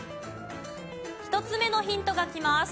１つ目のヒントがきます。